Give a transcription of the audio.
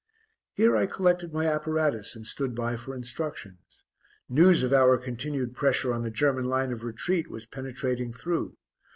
Here I collected my apparatus and stood by for instructions. News of our continued pressure on the German line of retreat was penetrating through.